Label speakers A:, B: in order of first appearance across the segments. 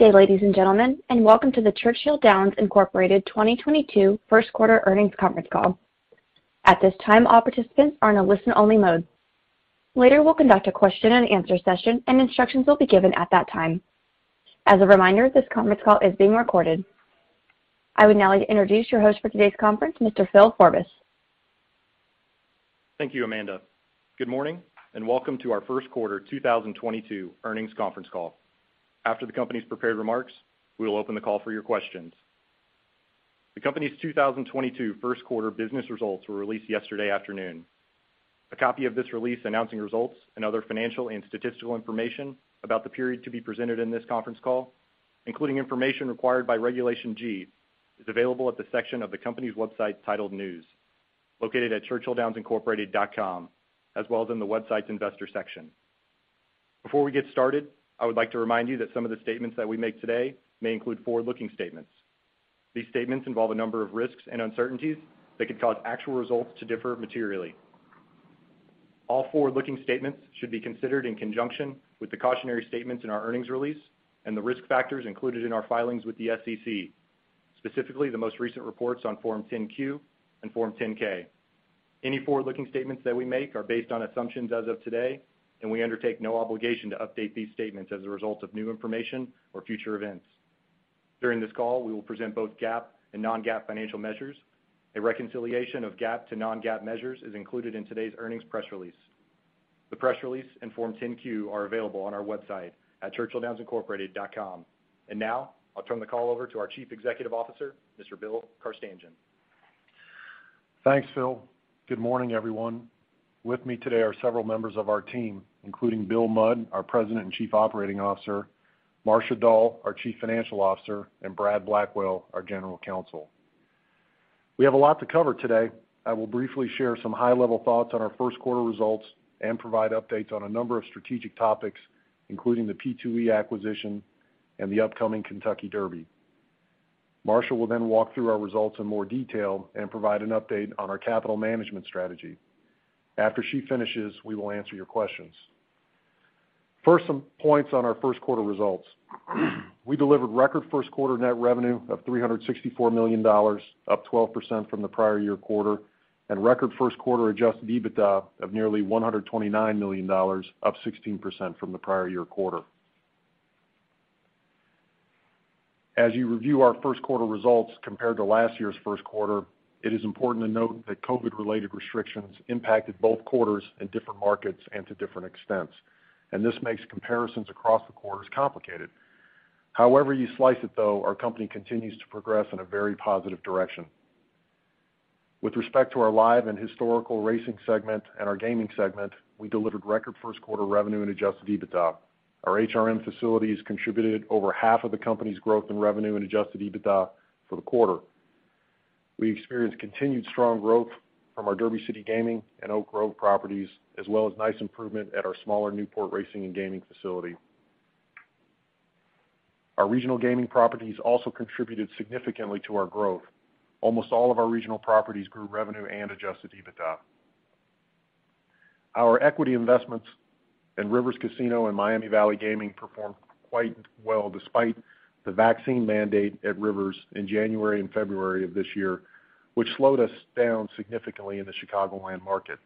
A: Good day, ladies and gentlemen, and welcome to the Churchill Downs Incorporated 2022 first quarter earnings conference call. At this time, all participants are in a listen-only mode. Later, we'll conduct a question and answer session, and instructions will be given at that time. As a reminder, this conference call is being recorded. I would now like to introduce your host for today's conference, Mr. Phil Forbis.
B: Thank you, Amanda. Good morning, and welcome to our first quarter 2022 earnings conference call. After the company's prepared remarks, we will open the call for your questions. The company's 2022 first quarter business results were released yesterday afternoon. A copy of this release announcing results and other financial and statistical information about the period to be presented in this conference call, including information required by Regulation G, is available at the section of the company's website titled News, located at churchilldownsincorporated.com, as well as in the website's investor section. Before we get started, I would like to remind you that some of the statements that we make today may include forward-looking statements. These statements involve a number of risks and uncertainties that could cause actual results to differ materially. All forward-looking statements should be considered in conjunction with the cautionary statements in our earnings release and the risk factors included in our filings with the SEC, specifically the most recent reports on Form 10-Q and Form 10-K. Any forward-looking statements that we make are based on assumptions as of today, and we undertake no obligation to update these statements as a result of new information or future events. During this call, we will present both GAAP and non-GAAP financial measures. A reconciliation of GAAP to non-GAAP measures is included in today's earnings press release. The press release and Form 10-Q are available on our website at churchilldownsincorporated.com. Now, I'll turn the call over to our Chief Executive Officer, Mr. Bill Carstanjen.
C: Thanks, Phil. Good morning, everyone. With me today are several members of our team, including Bill Mudd, our President and Chief Operating Officer, Marcia Dall, our Chief Financial Officer, and Brad Blackwell, our General Counsel. We have a lot to cover today. I will briefly share some high-level thoughts on our first quarter results and provide updates on a number of strategic topics, including the P2E acquisition and the upcoming Kentucky Derby. Marcia will then walk through our results in more detail and provide an update on our capital management strategy. After she finishes, we will answer your questions. First, some points on our first quarter results. We delivered record first quarter net revenue of $364 million, up 12% from the prior year quarter, and record first quarter adjusted EBITDA of nearly $129 million, up 16% from the prior year quarter. As you review our first quarter results compared to last year's first quarter, it is important to note that COVID-related restrictions impacted both quarters in different markets and to different extents, and this makes comparisons across the quarters complicated. However you slice it though, our company continues to progress in a very positive direction. With respect to our live and historical racing segment and our gaming segment, we delivered record first quarter revenue and adjusted EBITDA. Our HRM facilities contributed over half of the company's growth in revenue and adjusted EBITDA for the quarter. We experienced continued strong growth from our Derby City Gaming and Oak Grove properties, as well as nice improvement at our smaller Newport Racing & Gaming facility. Our regional gaming properties also contributed significantly to our growth. Almost all of our regional properties grew revenue and adjusted EBITDA. Our equity investments in Rivers Casino and Miami Valley Gaming performed quite well, despite the vaccine mandate at Rivers in January and February of this year, which slowed us down significantly in the Chicagoland market.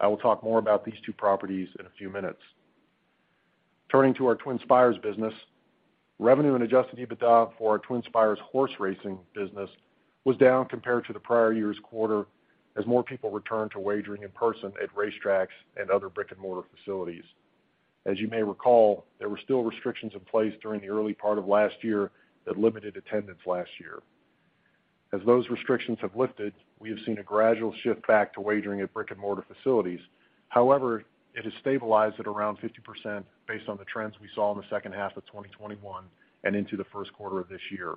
C: I will talk more about these two properties in a few minutes. Turning to our TwinSpires business. Revenue and adjusted EBITDA for our TwinSpires horse racing business was down compared to the prior year's quarter as more people returned to wagering in person at racetracks and other brick-and-mortar facilities. As you may recall, there were still restrictions in place during the early part of last year that limited attendance last year. As those restrictions have lifted, we have seen a gradual shift back to wagering at brick-and-mortar facilities. However, it has stabilized at around 50% based on the trends we saw in the second half of 2021 and into the first quarter of this year.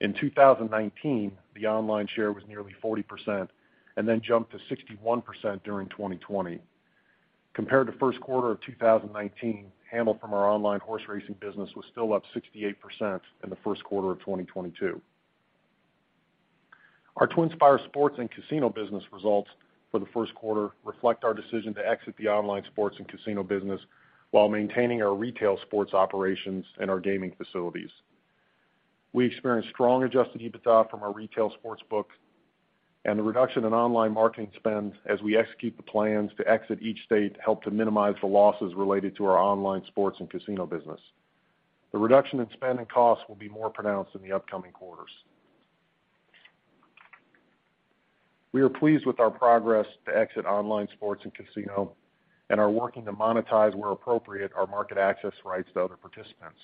C: In 2019, the online share was nearly 40% and then jumped to 61% during 2020. Compared to first quarter of 2019, handle from our online horse racing business was still up 68% in the first quarter of 2022. Our TwinSpires sports and casino business results for the first quarter reflect our decision to exit the online sports and casino business while maintaining our retail sports operations and our gaming facilities. We experienced strong adjusted EBITDA from our retail sports book and the reduction in online marketing spend as we execute the plans to exit each state help to minimize the losses related to our online sports and casino business. The reduction in spend and costs will be more pronounced in the upcoming quarters. We are pleased with our progress to exit online sports and casino and are working to monetize where appropriate our market access rights to other participants.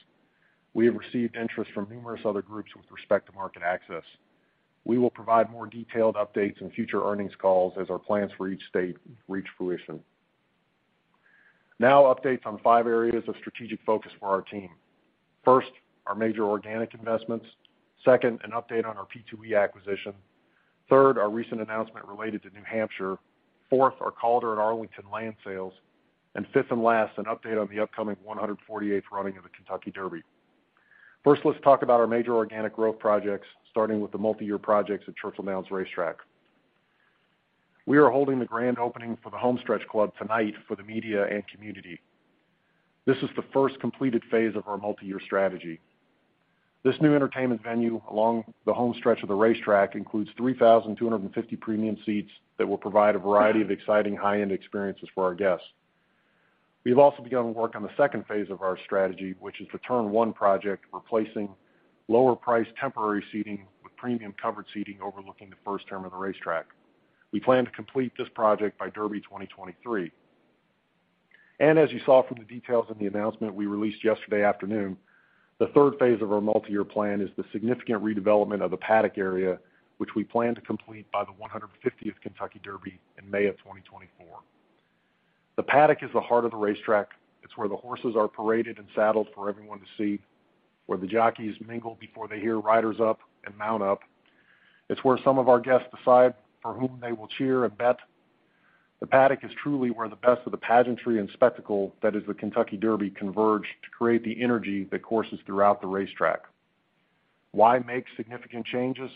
C: We have received interest from numerous other groups with respect to market access. We will provide more detailed updates in future earnings calls as our plans for each state reach fruition. Now updates on five areas of strategic focus for our team. First, our major organic investments. Second, an update on our P2E acquisition. Third, our recent announcement related to New Hampshire. Fourth, our Calder and Arlington land sales. Fifth and last, an update on the upcoming 148th running of the Kentucky Derby. First, let's talk about our major organic growth projects, starting with the multi-year projects at Churchill Downs Racetrack. We are holding the grand opening for the Homestretch Club tonight for the media and community. This is the first completed phase of our multi-year strategy. This new entertainment venue along the home stretch of the racetrack includes 3,250 premium seats that will provide a variety of exciting high-end experiences for our guests. We've also begun work on the second phase of our strategy, which is the Turn 1 Experience, replacing lower-priced temporary seating with premium covered seating overlooking the first turn of the racetrack. We plan to complete this project by Derby 2023. As you saw from the details in the announcement we released yesterday afternoon, the third phase of our multi-year plan is the significant redevelopment of the paddock area, which we plan to complete by the 150th Kentucky Derby in May 2024. The paddock is the heart of the racetrack. It's where the horses are paraded and saddled for everyone to see, where the jockeys mingle before they hear riders up and mount up. It's where some of our guests decide for whom they will cheer and bet. The paddock is truly where the best of the pageantry and spectacle that is the Kentucky Derby converge to create the energy that courses throughout the racetrack. Why make significant changes?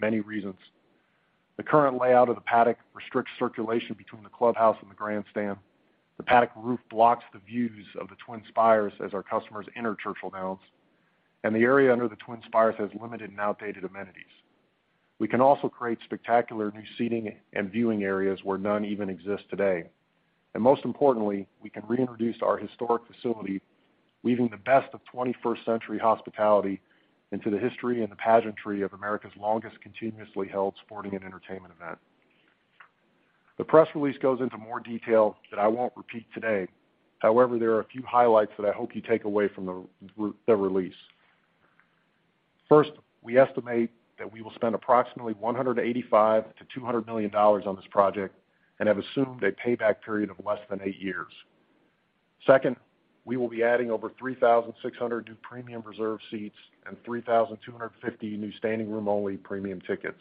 C: Many reasons. The current layout of the paddock restricts circulation between the clubhouse and the grandstand. The paddock roof blocks the views of the Twin Spires as our customers enter Churchill Downs, and the area under the Twin Spires has limited and outdated amenities. We can also create spectacular new seating and viewing areas where none even exist today. Most importantly, we can reintroduce our historic facility, weaving the best of 21st century hospitality into the history and the pageantry of America's longest continuously held sporting and entertainment event. The press release goes into more detail that I won't repeat today. However, there are a few highlights that I hope you take away from the release. First, we estimate that we will spend approximately $185 million-$200 million on this project and have assumed a payback period of less than eight years. Second, we will be adding over 3,600 new premium reserve seats and 3,250 new standing room only premium tickets.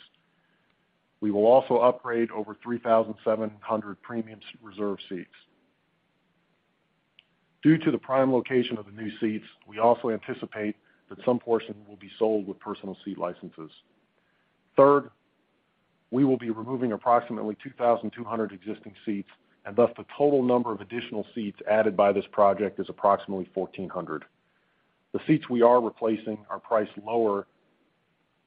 C: We will also upgrade over 3,700 premium reserve seats. Due to the prime location of the new seats, we also anticipate that some portion will be sold with personal seat licenses. Third, we will be removing approximately 2,200 existing seats, and thus the total number of additional seats added by this project is approximately 1,400. The seats we are replacing are priced lower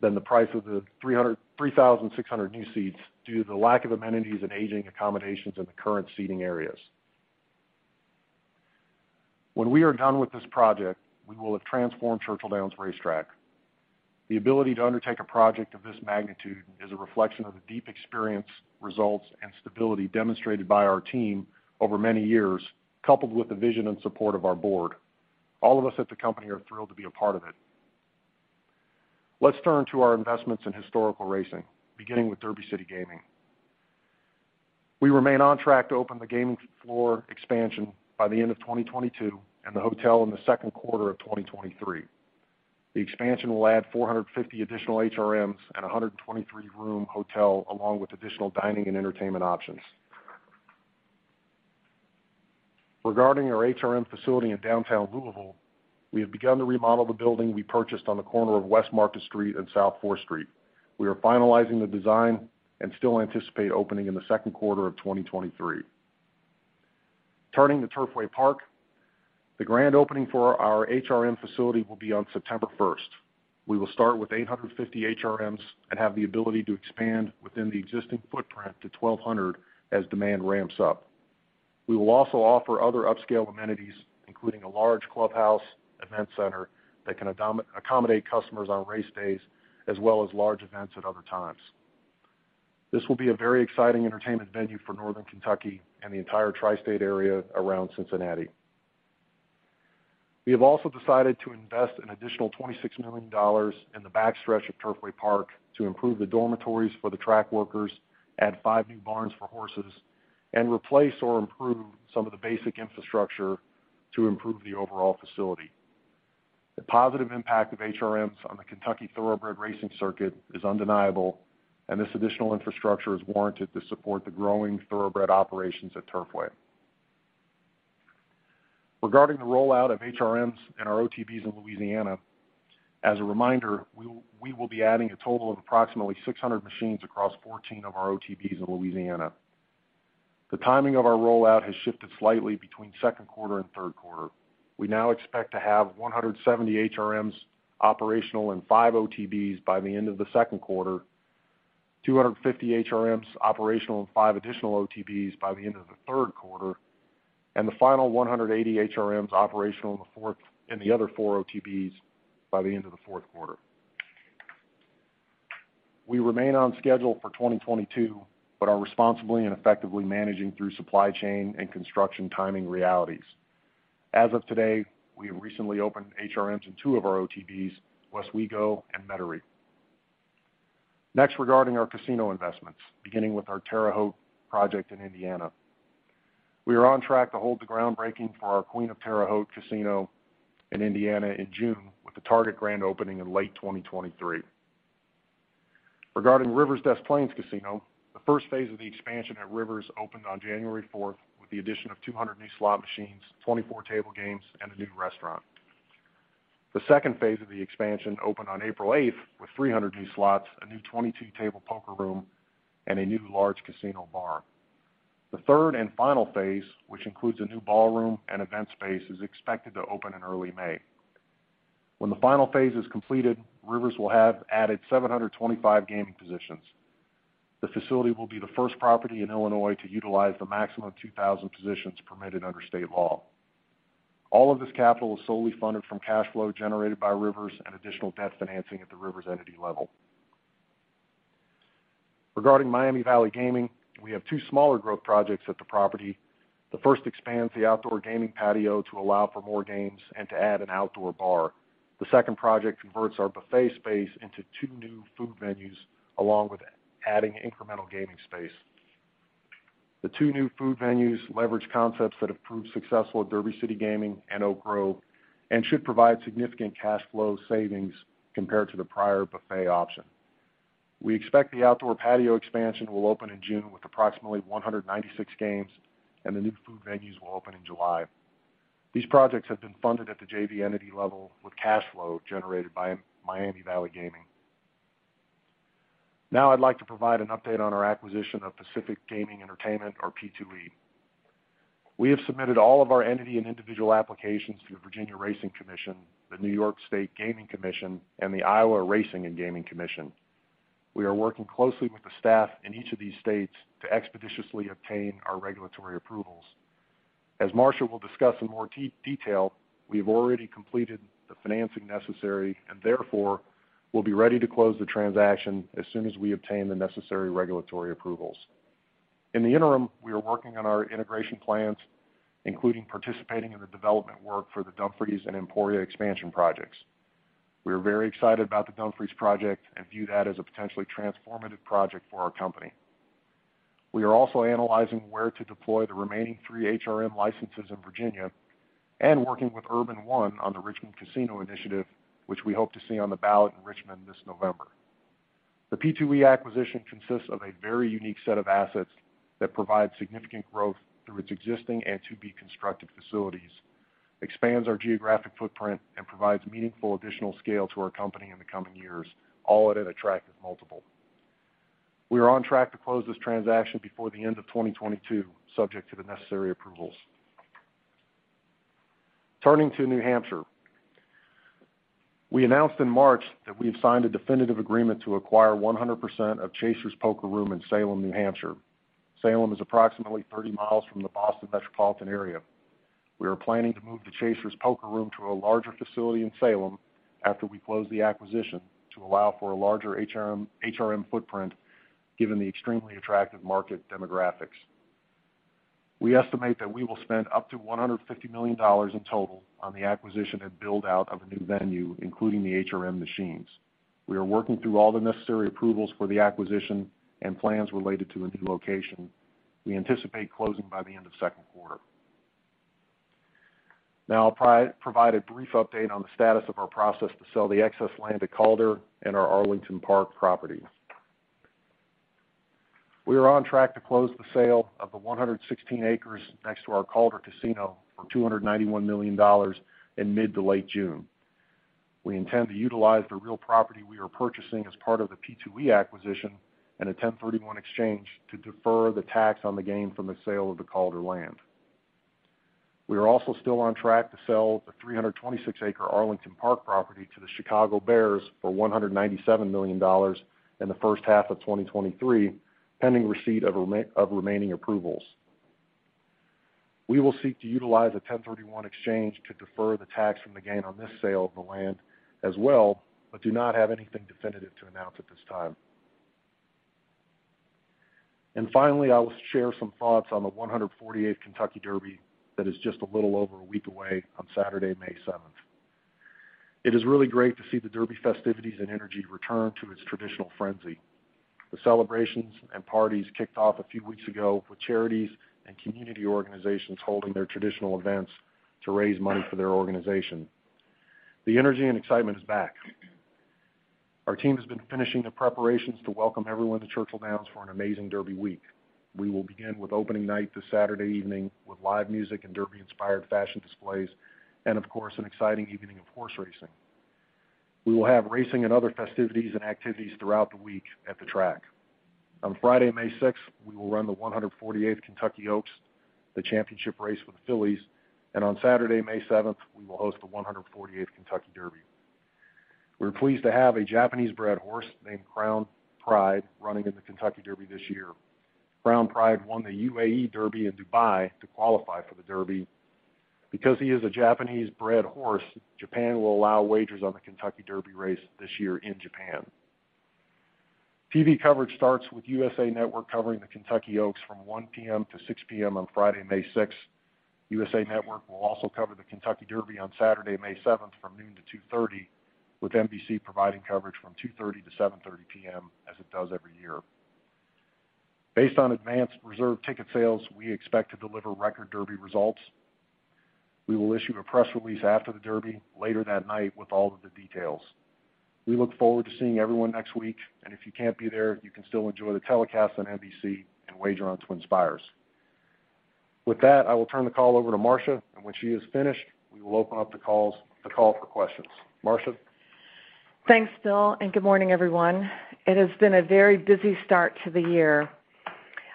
C: than the price of the 3,600 new seats due to the lack of amenities and aging accommodations in the current seating areas. When we are done with this project, we will have transformed Churchill Downs Racetrack. The ability to undertake a project of this magnitude is a reflection of the deep experience, results, and stability demonstrated by our team over many years, coupled with the vision and support of our board. All of us at the company are thrilled to be a part of it. Let's turn to our investments in historical racing, beginning with Derby City Gaming. We remain on track to open the gaming floor expansion by the end of 2022 and the hotel in the second quarter of 2023. The expansion will add 450 additional HRMs and a 123-room hotel, along with additional dining and entertainment options. Regarding our HRM facility in downtown Louisville, we have begun to remodel the building we purchased on the corner of West Market Street and South Fourth Street. We are finalizing the design and still anticipate opening in the second quarter of 2023. Turning to Turfway Park, the grand opening for our HRM facility will be on September first. We will start with 850 HRMs and have the ability to expand within the existing footprint to 1,200 as demand ramps up. We will also offer other upscale amenities, including a large clubhouse event center that can accommodate customers on race days as well as large events at other times. This will be a very exciting entertainment venue for Northern Kentucky and the entire tri-state area around Cincinnati. We have also decided to invest an additional $26 million in the backstretch of Turfway Park to improve the dormitories for the track workers, add 5 new barns for horses, and replace or improve some of the basic infrastructure to improve the overall facility. The positive impact of HRMs on the Kentucky Thoroughbred racing circuit is undeniable, and this additional infrastructure is warranted to support the growing Thoroughbred operations at Turfway. Regarding the rollout of HRMs and our OTB's in Louisiana, as a reminder, we will be adding a total of approximately 600 machines across 14 of our OTB's in Louisiana. The timing of our rollout has shifted slightly between second quarter and third quarter. We now expect to have 170 HRMs operational in five OTB's by the end of the second quarter, 250 HRMs operational in five additional OTB's by the end of the third quarter, and the final 180 HRMs operational in the other four OTB's by the end of the fourth quarter. We remain on schedule for 2022, but are responsibly and effectively managing through supply chain and construction timing realities. As of today, we have recently opened HRMs in two of our OTB's, Westwego and Metairie. Next, regarding our casino investments, beginning with our Terre Haute project in Indiana. We are on track to hold the groundbreaking for our Queen of Terre Haute Casino in Indiana in June, with the target grand opening in late 2023. Regarding Rivers Casino Des Plaines, the first phase of the expansion at Rivers opened on January 4th, with the addition of 200 new slot machines, 24 table games, and a new restaurant. The second phase of the expansion opened on April 8th with 300 new slots, a new 22 table poker room, and a new large casino bar. The third and final phase, which includes a new ballroom and event space, is expected to open in early May. When the final phase is completed, Rivers will have added 725 gaming positions. The facility will be the first property in Illinois to utilize the maximum 2,000 positions permitted under state law. All of this capital is solely funded from cash flow generated by Rivers and additional debt financing at the Rivers entity level. Regarding Miami Valley Gaming, we have two smaller growth projects at the property. The first expands the outdoor gaming patio to allow for more games and to add an outdoor bar. The second project converts our buffet space into two new food venues, along with adding incremental gaming space. The two new food venues leverage concepts that have proved successful at Derby City Gaming and Oak Grove and should provide significant cash flow savings compared to the prior buffet option. We expect the outdoor patio expansion will open in June with approximately 196 games, and the new food venues will open in July. These projects have been funded at the JV entity level with cash flow generated by Miami Valley Gaming. Now I'd like to provide an update on our acquisition of Peninsula Pacific Entertainment, or P2E. We have submitted all of our entity and individual applications to the Virginia Racing Commission, the New York State Gaming Commission, and the Iowa Racing and Gaming Commission. We are working closely with the staff in each of these states to expeditiously obtain our regulatory approvals. As Marcia will discuss in more detail, we have already completed the financing necessary and therefore will be ready to close the transaction as soon as we obtain the necessary regulatory approvals. In the interim, we are working on our integration plans, including participating in the development work for the Dumfries and Emporia expansion projects. We are very excited about the Dumfries project and view that as a potentially transformative project for our company. We are also analyzing where to deploy the remaining three HRM licenses in Virginia and working with Urban One on the Richmond Casino initiative, which we hope to see on the ballot in Richmond this November. The P2E acquisition consists of a very unique set of assets that provide significant growth through its existing and to-be-constructed facilities, expands our geographic footprint, and provides meaningful additional scale to our company in the coming years, all at an attractive multiple. We are on track to close this transaction before the end of 2022, subject to the necessary approvals. Turning to New Hampshire. We announced in March that we have signed a definitive agreement to acquire 100% of Chasers Poker Room in Salem, New Hampshire. Salem is approximately 30 miles from the Boston metropolitan area. We are planning to move the Chasers Poker Room to a larger facility in Salem after we close the acquisition to allow for a larger HRM footprint, given the extremely attractive market demographics. We estimate that we will spend up to $150 million in total on the acquisition and build-out of a new venue, including the HRM machines. We are working through all the necessary approvals for the acquisition and plans related to a new location. We anticipate closing by the end of second quarter. Now I'll provide a brief update on the status of our process to sell the excess land at Calder and our Arlington Park properties. We are on track to close the sale of the 116 acres next to our Calder Casino for $291 million in mid to late June. We intend to utilize the real property we are purchasing as part of the P2E acquisition and a 1031 exchange to defer the tax on the gain from the sale of the Calder land. We are also still on track to sell the 326-acre Arlington Park property to the Chicago Bears for $197 million in the first half of 2023, pending receipt of remaining approvals. We will seek to utilize a 1031 exchange to defer the tax from the gain on this sale of the land as well, but do not have anything definitive to announce at this time. Finally, I will share some thoughts on the 148th Kentucky Derby that is just a little over a week away on Saturday, May 7th. It is really great to see the Derby festivities and energy return to its traditional frenzy. The celebrations and parties kicked off a few weeks ago, with charities and community organizations holding their traditional events to raise money for their organization. The energy and excitement is back. Our team has been finishing the preparations to welcome everyone to Churchill Downs for an amazing Derby week. We will begin with opening night this Saturday evening with live music and Derby-inspired fashion displays and, of course, an exciting evening of horse racing. We will have racing and other festivities and activities throughout the week at the track. On Friday, May 6th, we will run the 148th Kentucky Oaks, the championship race for the fillies, and on Saturday, May 7th, we will host the 148th Kentucky Derby. We're pleased to have a Japanese-bred horse named Crown Pride running in the Kentucky Derby this year. Crown Pride won the UAE Derby in Dubai to qualify for the Derby. Because he is a Japanese-bred horse, Japan will allow wagers on the Kentucky Derby race this year in Japan. TV coverage starts with USA Network covering the Kentucky Oaks from 1:00 P.M. to 6:00 P.M. on Friday, May 6th. USA Network will also cover the Kentucky Derby on Saturday, May 7th, from noon to 2:30 P.M., with NBC providing coverage from 2:30 P.M. to 7:30 P.M. as it does every year. Based on advanced reserve ticket sales, we expect to deliver record Derby results. We will issue a press release after the Derby later that night with all of the details. We look forward to seeing everyone next week, and if you can't be there, you can still enjoy the telecast on NBC and wager on TwinSpires. With that, I will turn the call over to Marcia, and when she is finished, we will open up the call for questions. Marcia?
D: Thanks, Bill, and good morning, everyone. It has been a very busy start to the year.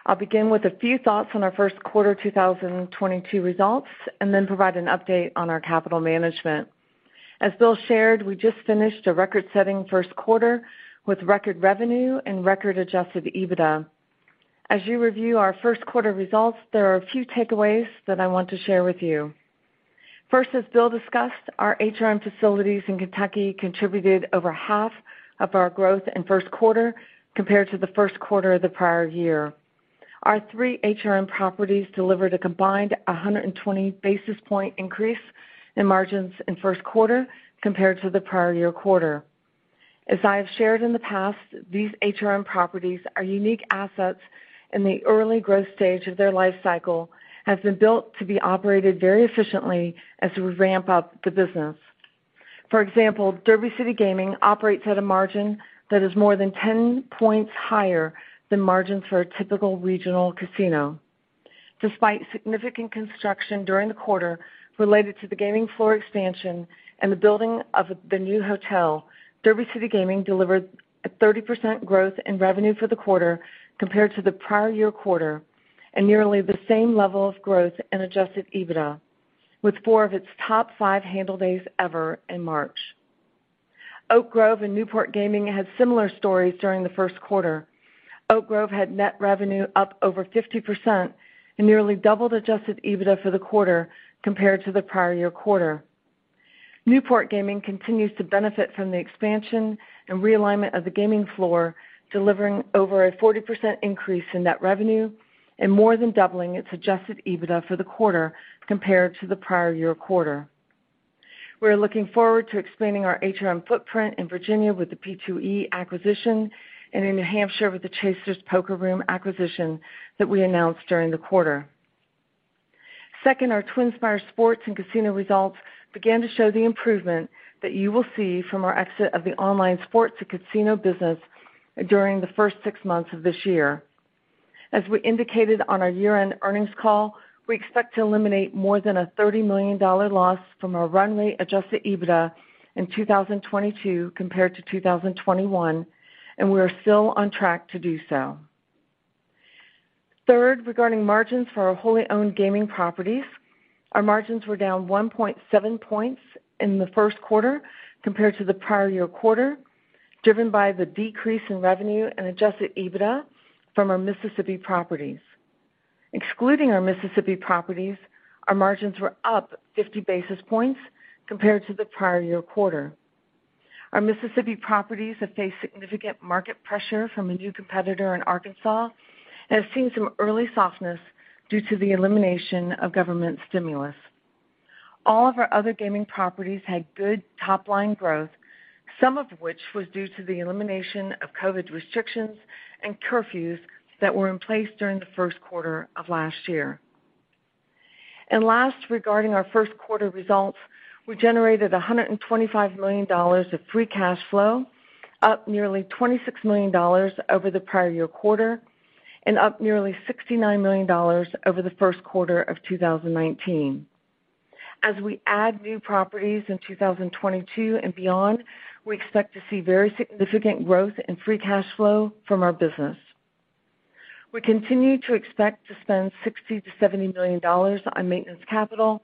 D: I'll begin with a few thoughts on our first quarter 2022 results, and then provide an update on our capital management. As Bill shared, we just finished a record-setting first quarter with record revenue and record adjusted EBITDA. As you review our first quarter results, there are a few takeaways that I want to share with you. First, as Bill discussed, our HRM facilities in Kentucky contributed over half of our growth in first quarter compared to the first quarter of the prior year. Our three HRM properties delivered a combined 120 basis point increase in margins in first quarter compared to the prior year quarter. As I have shared in the past, these HRM properties are unique assets in the early growth stage of their life cycle, has been built to be operated very efficiently as we ramp up the business. For example, Derby City Gaming operates at a margin that is more than 10 points higher than margins for a typical regional casino. Despite significant construction during the quarter related to the gaming floor expansion and the building of the new hotel, Derby City Gaming delivered a 30% growth in revenue for the quarter compared to the prior year quarter, and nearly the same level of growth in adjusted EBITDA, with four of its top five handle days ever in March. Oak Grove and Newport Gaming had similar stories during the first quarter. Oak Grove had net revenue up over 50% and nearly doubled adjusted EBITDA for the quarter compared to the prior year quarter. Newport Gaming continues to benefit from the expansion and realignment of the gaming floor, delivering over a 40% increase in net revenue and more than doubling its adjusted EBITDA for the quarter compared to the prior year quarter. We're looking forward to expanding our HRM footprint in Virginia with the P2E acquisition and in New Hampshire with the Chasers Poker Room acquisition that we announced during the quarter. Second, our TwinSpires sports and casino results began to show the improvement that you will see from our exit of the online sports to casino business during the first six months of this year. As we indicated on our year-end earnings call, we expect to eliminate more than a $30 million loss from our run-rate adjusted EBITDA in 2022 compared to 2021, and we are still on track to do so. Third, regarding margins for our wholly owned gaming properties, our margins were down 1.7 points in the first quarter compared to the prior year quarter, driven by the decrease in revenue and adjusted EBITDA from our Mississippi properties. Excluding our Mississippi properties, our margins were up 50 basis points compared to the prior year quarter. Our Mississippi properties have faced significant market pressure from a new competitor in Arkansas and have seen some early softness due to the elimination of government stimulus. All of our other gaming properties had good top line growth, some of which was due to the elimination of COVID restrictions and curfews that were in place during the first quarter of last year. Last, regarding our first quarter results, we generated $125 million of free cash flow, up nearly $26 million over the prior year quarter and up nearly $69 million over the first quarter of 2019. As we add new properties in 2022 and beyond, we expect to see very significant growth in free cash flow from our business. We continue to expect to spend $60-$70 million on maintenance capital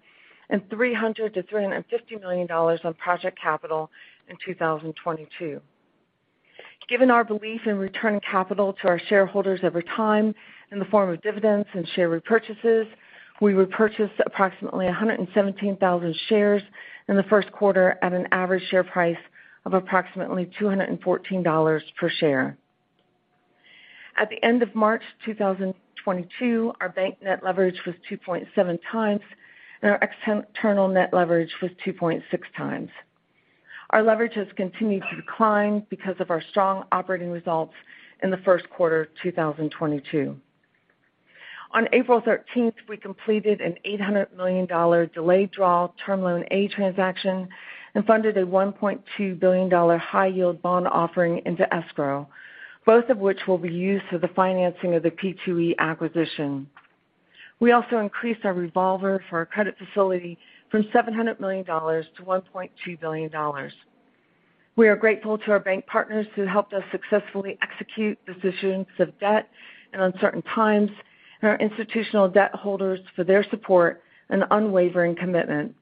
D: and $300-$350 million on project capital in 2022. Given our belief in returning capital to our shareholders over time in the form of dividends and share repurchases, we repurchased approximately 117,000 shares in the first quarter at an average share price of approximately $214 per share. At the end of March 2022, our bank net leverage was 2.7 times, and our external net leverage was 2.6 times. Our leverage has continued to decline because of our strong operating results in the first quarter 2022. On April 13, we completed an $800 million delayed draw term loan A transaction and funded a $1.2 billion high yield bond offering into escrow, both of which will be used for the financing of the P2E acquisition. We also increased our revolver for our credit facility from $700 million to $1.2 billion. We are grateful to our bank partners who helped us successfully execute this issuance of debt in uncertain times and our institutional debt holders for their support and unwavering commitment.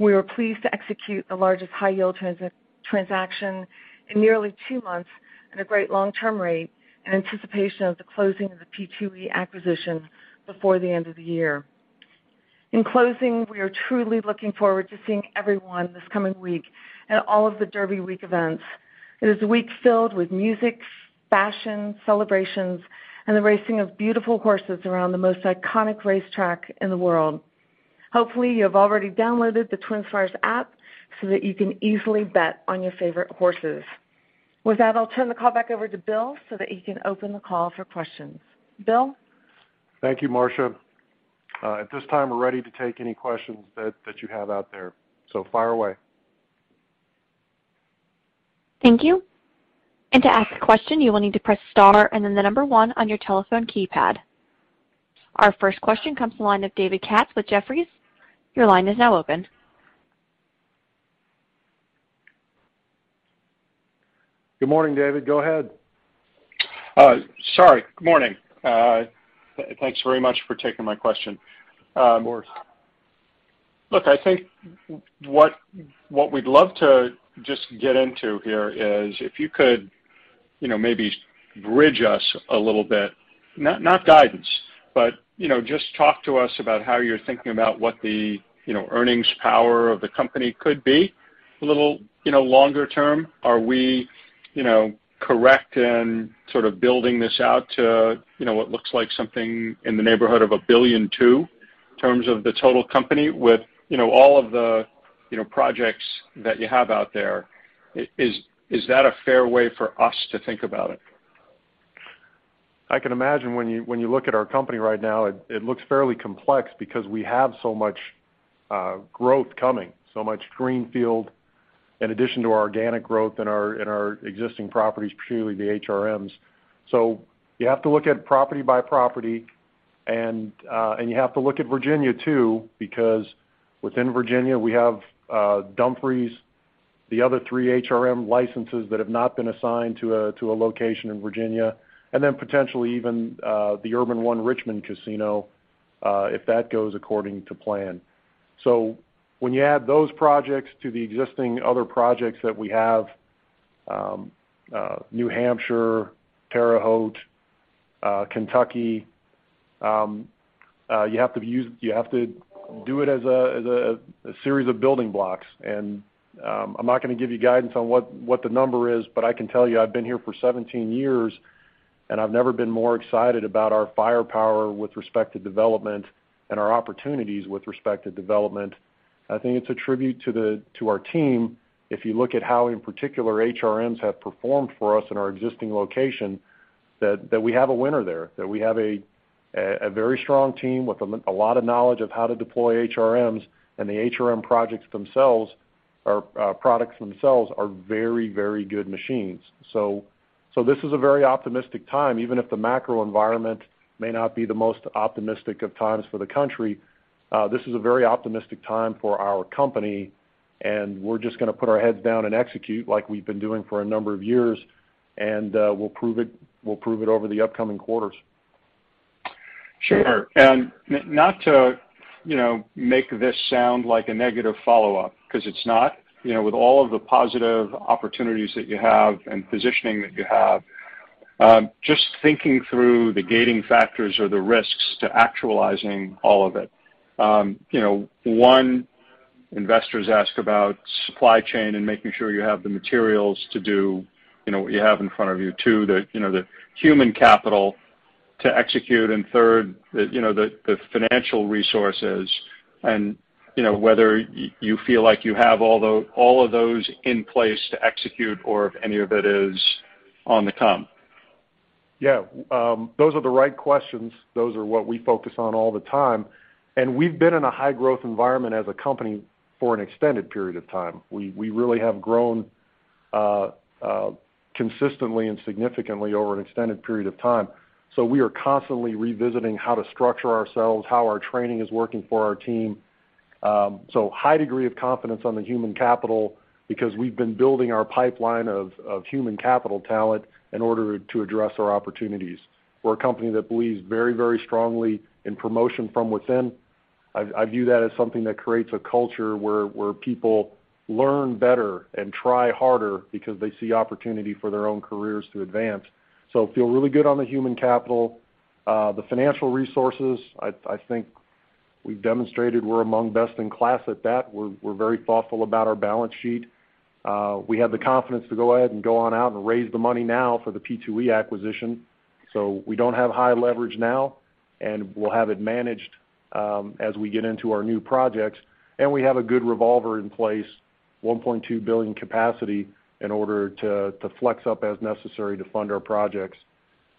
D: We were pleased to execute the largest high yield transaction in nearly two months at a great long-term rate in anticipation of the closing of the P2E acquisition before the end of the year. In closing, we are truly looking forward to seeing everyone this coming week at all of the Derby week events. It is a week filled with music, fashion, celebrations, and the racing of beautiful horses around the most iconic racetrack in the world. Hopefully, you have already downloaded the TwinSpires app so that you can easily bet on your favorite horses. With that, I'll turn the call back over to Bill so that he can open the call for questions. Bill?
C: Thank you, Marcia. At this time, we're ready to take any questions that you have out there. Fire away.
A: Thank you. To ask a question, you will need to press star and then the number one on your telephone keypad. Our first question comes to the line of David Katz with Jefferies. Your line is now open.
C: Good morning, David. Go ahead.
E: Sorry, good morning. Thanks very much for taking my question.
C: Of course.
E: Look, I think what we'd love to just get into here is if you could, you know, maybe bridge us a little bit, not guidance, but, you know, just talk to us about how you're thinking about what the, you know, earnings power of the company could be a little, you know, longer term. Are we, you know, correct in sort of building this out to, you know, what looks like something in the neighborhood of $1.2 billion in terms of the total company with, you know, all of the, you know, projects that you have out there? Is that a fair way for us to think about it?
C: I can imagine when you look at our company right now, it looks fairly complex because we have so much growth coming, so much greenfield, in addition to our organic growth in our existing properties, purely the HRMs. You have to look at property by property and you have to look at Virginia too, because within Virginia, we have Dumfries, the other three HRM licenses that have not been assigned to a location in Virginia, and then potentially even the Urban One Richmond Casino, if that goes according to plan. When you add those projects to the existing other projects that we have, New Hampshire, Terre Haute, Kentucky, you have to do it as a series of building blocks. I'm not gonna give you guidance on what the number is, but I can tell you I've been here for 17 years, and I've never been more excited about our firepower with respect to development and our opportunities with respect to development. I think it's a tribute to our team, if you look at how, in particular, HRMs have performed for us in our existing location, that we have a winner there, that we have a very strong team with a lot of knowledge of how to deploy HRMs, and the HRM products themselves are very, very good machines. This is a very optimistic time, even if the macro environment may not be the most optimistic of times for the country. This is a very optimistic time for our company, and we're just gonna put our heads down and execute like we've been doing for a number of years, and we'll prove it over the upcoming quarters.
E: Sure. Not to, you know, make this sound like a negative follow-up, 'cause it's not, you know, with all of the positive opportunities that you have and positioning that you have, just thinking through the gating factors or the risks to actualizing all of it. You know, one, investors ask about supply chain and making sure you have the materials to do, you know, what you have in front of you. Two, the, you know, the human capital to execute, and third, the, you know, the financial resources, and, you know, whether you feel like you have all of those in place to execute or if any of it is on the come.
C: Yeah. Those are the right questions. Those are what we focus on all the time. We've been in a high growth environment as a company for an extended period of time. We really have grown consistently and significantly over an extended period of time. We are constantly revisiting how to structure ourselves, how our training is working for our team. High degree of confidence on the human capital because we've been building our pipeline of human capital talent in order to address our opportunities. We're a company that believes very, very strongly in promotion from within. I view that as something that creates a culture where people learn better and try harder because they see opportunity for their own careers to advance. Feel really good on the human capital. The financial resources, I think we've demonstrated we're among best in class at that. We're very thoughtful about our balance sheet. We have the confidence to go ahead and go on out and raise the money now for the P2E acquisition. We don't have high leverage now, and we'll have it managed as we get into our new projects. We have a good revolver in place, $1.2 billion capacity in order to flex up as necessary to fund our projects.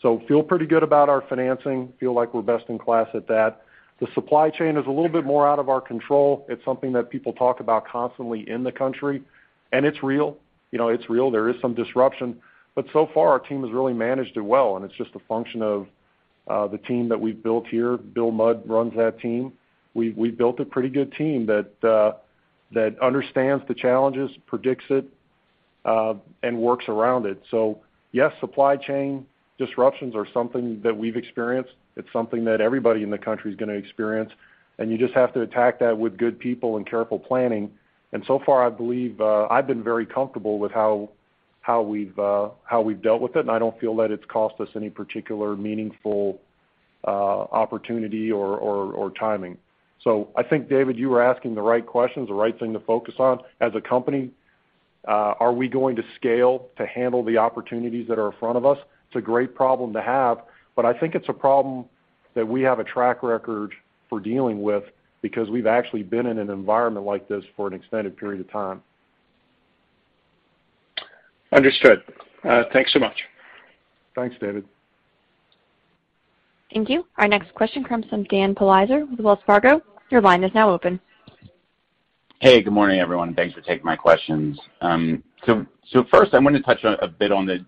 C: Feel pretty good about our financing, feel like we're best in class at that. The supply chain is a little bit more out of our control. It's something that people talk about constantly in the country, and it's real. You know, it's real. There is some disruption. So far, our team has really managed it well, and it's just a function of the team that we've built here. Bill Mudd runs that team. We built a pretty good team that understands the challenges, predicts it, and works around it. Yes, supply chain disruptions are something that we've experienced. It's something that everybody in the country is gonna experience, and you just have to attack that with good people and careful planning. So far, I believe, I've been very comfortable with how we've dealt with it, and I don't feel that it's cost us any particular meaningful opportunity or timing. I think, David, you were asking the right questions, the right thing to focus on. As a company, are we going to scale to handle the opportunities that are in front of us? It's a great problem to have, but I think it's a problem that we have a track record for dealing with because we've actually been in an environment like this for an extended period of time.
E: Understood. Thanks so much.
C: Thanks, David.
A: Thank you. Our next question comes from Daniel Politzer with Wells Fargo. Your line is now open.
F: Hey, good morning, everyone. Thanks for taking my questions. So first, I'm gonna touch on a bit on the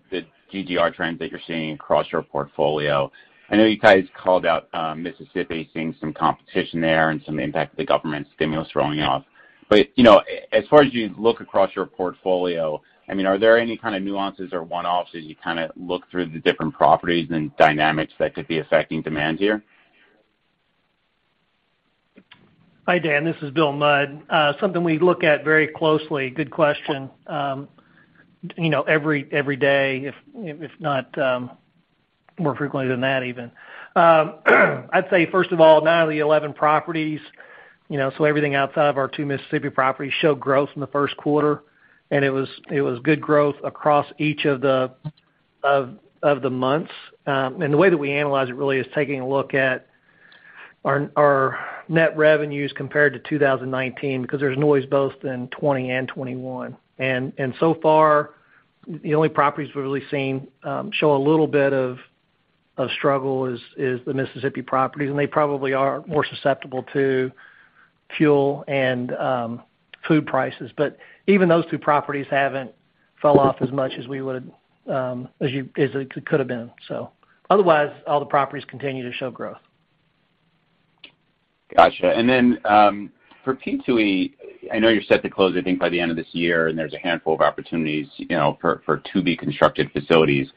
F: GGR trends that you're seeing across your portfolio. I know you guys called out Mississippi seeing some competition there and some impact of the government stimulus throwing off. You know, as far as you look across your portfolio, I mean, are there any kind of nuances or one-offs as you kinda look through the different properties and dynamics that could be affecting demand here?
G: Hi, Dan Politzer. This is Bill Mudd. Something we look at very closely. Good question. You know, every day if not more frequently than that even. I'd say first of all, 9 of the 11 properties, you know, so everything outside of our two Mississippi properties show growth in the first quarter, and it was good growth across each of the months. The way that we analyze it really is taking a look at our net revenues compared to 2019 because there's noise both in 2020 and 2021. So far, the only properties we're really seeing show a little bit of struggle is the Mississippi properties, and they probably are more susceptible to fuel and food prices. Even those two properties haven't fell off as much as we would, as it could have been. Otherwise, all the properties continue to show growth.
F: Gotcha. Then, for P2E, I know you're set to close, I think, by the end of this year, and there's a handful of opportunities, you know, for to-be-constructed facilities.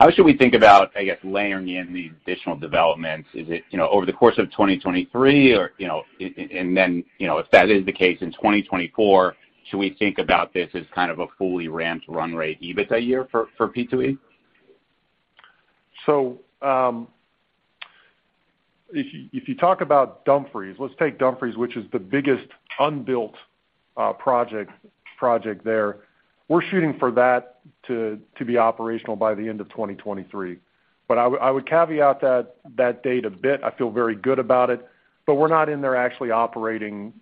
F: How should we think about, I guess, layering in the additional developments? Is it, you know, over the course of 2023 or, you know? Then, you know, if that is the case in 2024, should we think about this as kind of a fully ramped run rate EBIT a year for P2E?
C: If you talk about Dumfries, let's take Dumfries, which is the biggest unbuilt project there. We're shooting for that to be operational by the end of 2023. I would caveat that date a bit. I feel very good about it, but we're not in there actually operating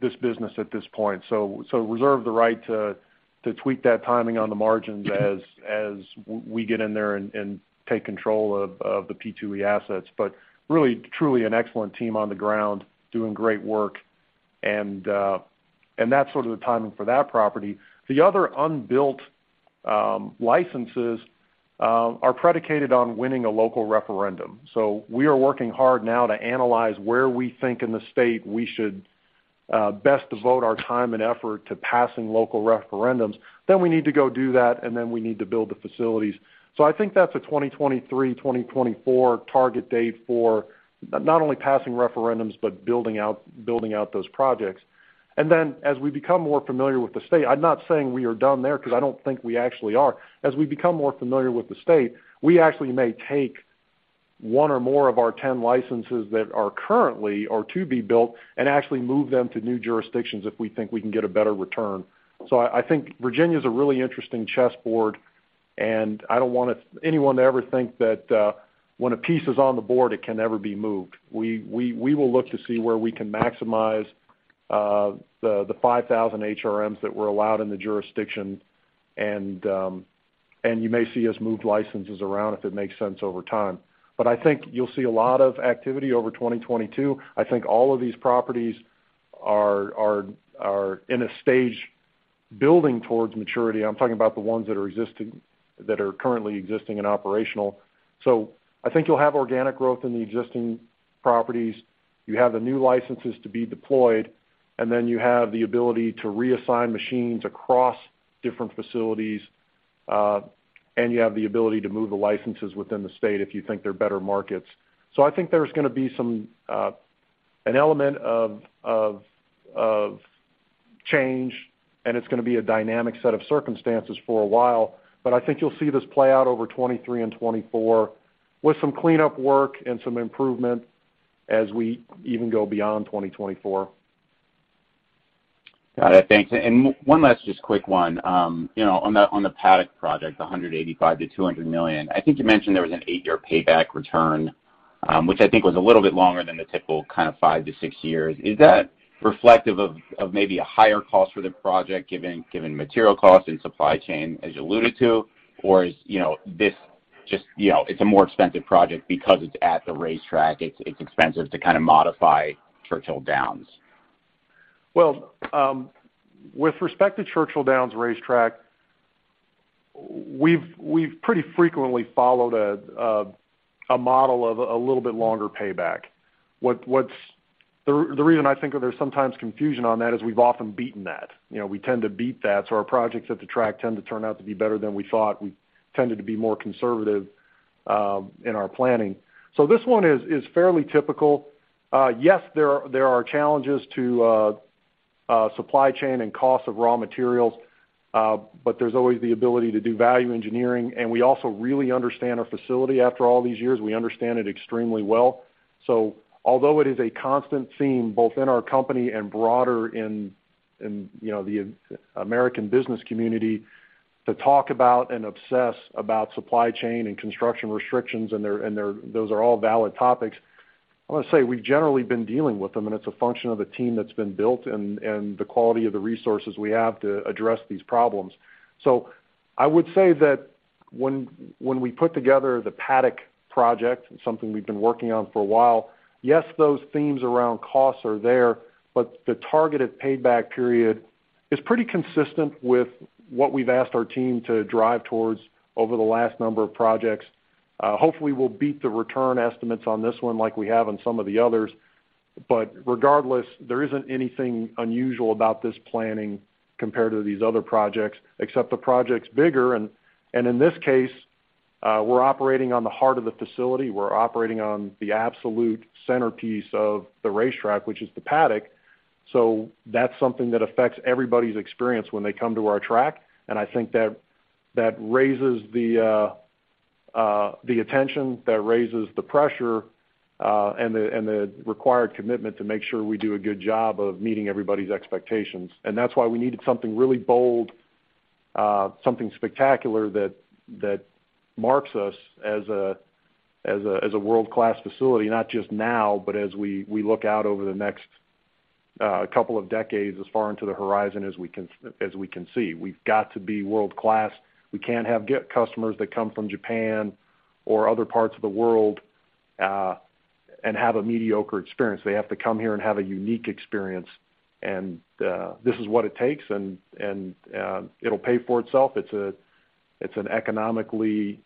C: this business at this point. Reserve the right to tweak that timing on the margins as we get in there and take control of the P2E assets. Really, truly an excellent team on the ground doing great work and that's sort of the timing for that property. The other unbuilt licenses are predicated on winning a local referendum. We are working hard now to analyze where we think in the state we should best devote our time and effort to passing local referendums. We need to go do that, and we need to build the facilities. I think that's a 2023-2024 target date for not only passing referendums, but building out those projects. As we become more familiar with the state, I'm not saying we are done there because I don't think we actually are. As we become more familiar with the state, we actually may take one or more of our 10 licenses that are currently or to be built and actually move them to new jurisdictions if we think we can get a better return. I think Virginia is a really interesting chessboard, and I don't want anyone to ever think that when a piece is on the board, it can never be moved. We will look to see where we can maximize the 5,000 HRMs that were allowed in the jurisdiction, and you may see us move licenses around if it makes sense over time. I think you'll see a lot of activity over 2022. I think all of these properties are in a stage building towards maturity. I'm talking about the ones that are currently existing and operational. I think you'll have organic growth in the existing properties. You have the new licenses to be deployed, and then you have the ability to reassign machines across different facilities, and you have the ability to move the licenses within the state if you think they're better markets. I think there's gonna be some an element of change, and it's gonna be a dynamic set of circumstances for a while, but I think you'll see this play out over 2023 and 2024 with some cleanup work and some improvement as we even go beyond 2024.
F: Got it. Thanks. One last just quick one. You know, on the Paddock project, the $185 million-$200 million, I think you mentioned there was an 8-year payback return, which I think was a little bit longer than the typical kind of 5-6 years. Is that reflective of maybe a higher cost for the project given material costs and supply chain as you alluded to? Or is you know, this just you know, it's a more expensive project because it's at the racetrack, it's expensive to kind of modify Churchill Downs?
C: Well, with respect to Churchill Downs Racetrack, we've pretty frequently followed a model of a little bit longer payback. The reason I think there's sometimes confusion on that is we've often beaten that. You know, we tend to beat that, so our projects at the track tend to turn out to be better than we thought. We tended to be more conservative in our planning. This one is fairly typical. Yes, there are challenges to supply chain and cost of raw materials, but there's always the ability to do value engineering. We also really understand our facility after all these years. We understand it extremely well. Although it is a constant theme both in our company and broader in you know the American business community to talk about and obsess about supply chain and construction restrictions, and those are all valid topics. I want to say we've generally been dealing with them, and it's a function of the team that's been built and the quality of the resources we have to address these problems. I would say that when we put together the paddock project, something we've been working on for a while, yes, those themes around costs are there, but the targeted payback period is pretty consistent with what we've asked our team to drive towards over the last number of projects. Hopefully, we'll beat the return estimates on this one like we have on some of the others. Regardless, there isn't anything unusual about this planning compared to these other projects, except the project's bigger. In this case, we're operating on the heart of the facility. We're operating on the absolute centerpiece of the racetrack, which is the paddock. That's something that affects everybody's experience when they come to our track, and I think that raises the pressure and the required commitment to make sure we do a good job of meeting everybody's expectations. That's why we needed something really bold, something spectacular that marks us as a world-class facility, not just now, but as we look out over the next couple of decades as far into the horizon as we can see. We've got to be world-class. We can't have guests that come from Japan or other parts of the world and have a mediocre experience. They have to come here and have a unique experience. This is what it takes, and it'll pay for itself. It's an economically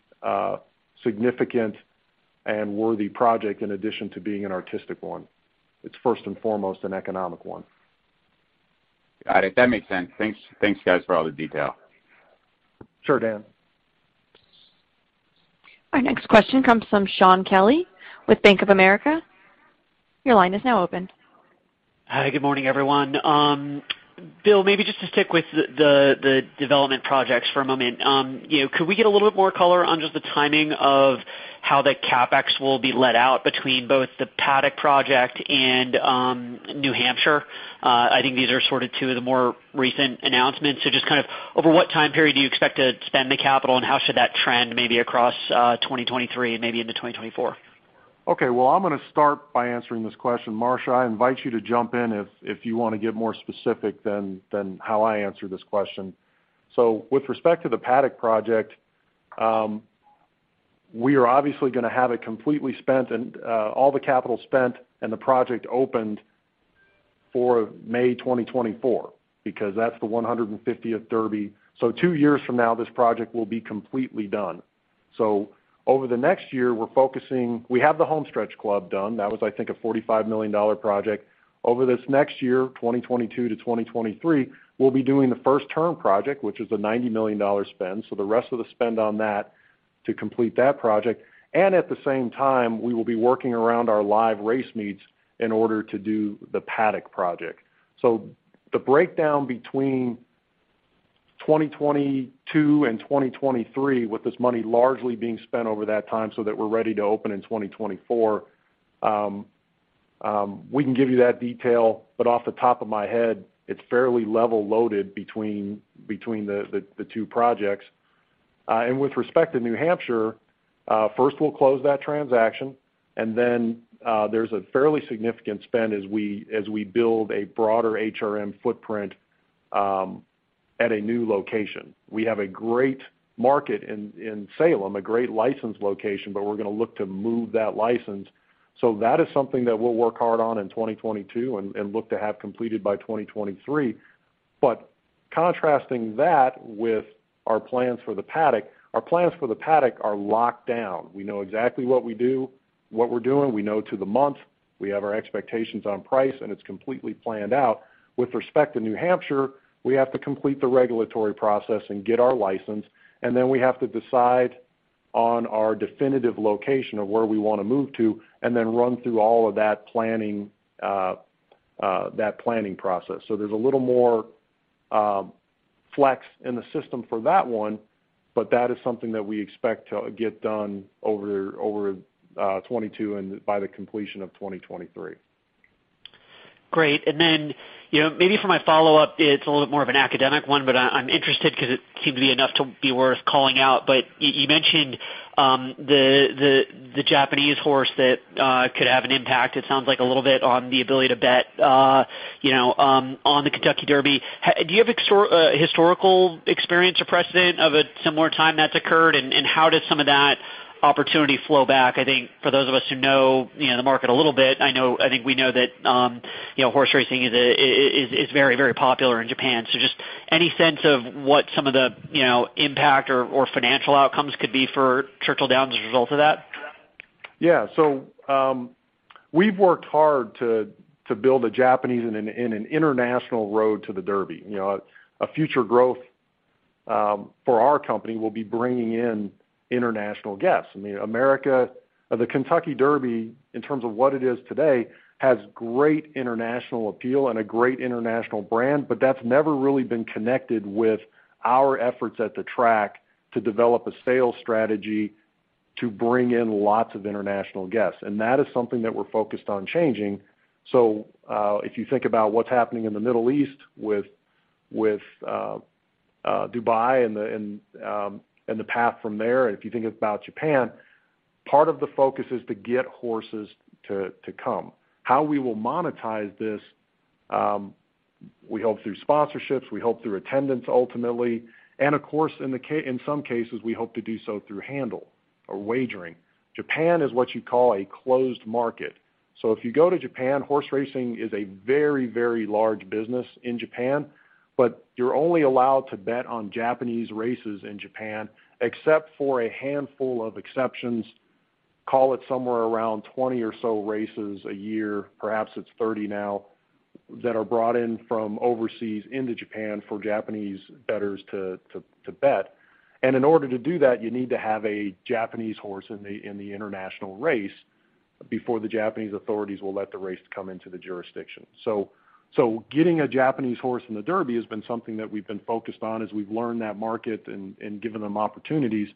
C: significant and worthy project in addition to being an artistic one. It's first and foremost an economic one.
F: Got it. That makes sense. Thanks, thanks, guys, for all the detail.
C: Sure, Dan.
A: Our next question comes from Shaun Kelley with Bank of America. Your line is now open.
H: Hi. Good morning, everyone. Bill, maybe just to stick with the development projects for a moment. You know, could we get a little bit more color on just the timing of how the CapEx will be let out between both the paddock project and New Hampshire? I think these are sort of two of the more recent announcements. Just kind of over what time period do you expect to spend the capital, and how should that trend maybe across 2023 and maybe into 2024?
C: I'm gonna start by answering this question. Marcia, I invite you to jump in if you wanna get more specific than how I answer this question. With respect to the paddock project, we are obviously gonna have it completely spent and all the capital spent and the project opened for May 2024 because that's the 150th Derby. Two years from now, this project will be completely done. Over the next year, we're focusing. We have the Homestretch Club done. That was, I think, a $45 million project. Over this next year, 2022-2023, we'll be doing the first-turn project, which is a $90 million spend, so the rest of the spend on that to complete that project. At the same time, we will be working around our live race meets in order to do the paddock project. The breakdown between 2022 and 2023, with this money largely being spent over that time so that we're ready to open in 2024, we can give you that detail. Off the top of my head, it's fairly level loaded between the two projects. With respect to New Hampshire, first we'll close that transaction, and then there's a fairly significant spend as we build a broader HRM footprint at a new location. We have a great market in Salem, a great license location, but we're gonna look to move that license. That is something that we'll work hard on in 2022 and look to have completed by 2023. Contrasting that with our plans for the paddock, our plans for the paddock are locked down. We know exactly what we do, what we're doing. We know to the month. We have our expectations on price, and it's completely planned out. With respect to New Hampshire, we have to complete the regulatory process and get our license, and then we have to decide on our definitive location of where we wanna move to and then run through all of that planning process. There's a little more flex in the system for that one, but that is something that we expect to get done over 2022 and by the completion of 2023.
H: Great. You know, maybe for my follow-up, it's a little bit more of an academic one, but I'm interested 'cause it seemed to be enough to be worth calling out. You mentioned the Japanese horse that could have an impact, it sounds like a little bit on the ability to bet, you know, on the Kentucky Derby. Do you have a historical experience or precedent of a similar time that's occurred? How does some of that opportunity flow back? I think for those of us who know, you know, the market a little bit, I know I think we know that, you know, horse racing is very popular in Japan. Just any sense of what some of the, you know, impact or financial outcomes could be for Churchill Downs as a result of that?
C: We've worked hard to build a Japanese and an international road to the Derby. A future growth for our company will be bringing in international guests. The Kentucky Derby, in terms of what it is today, has great international appeal and a great international brand, but that's never really been connected with our efforts at the track to develop a sales strategy to bring in lots of international guests. That is something that we're focused on changing. If you think about what's happening in the Middle East with Dubai and the path from there, if you think about Japan, part of the focus is to get horses to come. How we will monetize this, we hope through sponsorships, we hope through attendance, ultimately. Of course, in some cases, we hope to do so through handle or wagering. Japan is what you call a closed market. If you go to Japan, horse racing is a very, very large business in Japan, but you're only allowed to bet on Japanese races in Japan, except for a handful of exceptions. Call it somewhere around 20 or so races a year, perhaps it's 30 now, that are brought in from overseas into Japan for Japanese betters to bet. In order to do that, you need to have a Japanese horse in the international race before the Japanese authorities will let the race come into the jurisdiction. Getting a Japanese horse in the Derby has been something that we've been focused on as we've learned that market and given them opportunities.